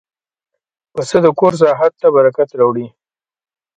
پسه د کور ساحت ته برکت راوړي.